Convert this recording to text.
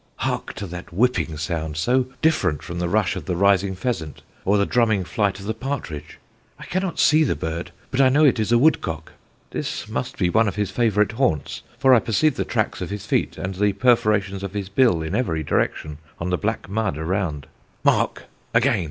Hark to that whipping sound so different from the rush of the rising pheasant or the drumming flight of the partridge! I cannot see the bird, but I know it is a woodcock. This must be one of his favourite haunts, for I perceive the tracks of his feet and the perforations of his bill in every direction on the black mud around. Mark! again.